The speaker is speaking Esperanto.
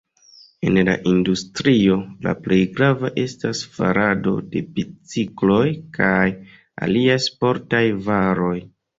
En la industrio la plej grava estas farado de bicikloj kaj aliaj sportaj varoj.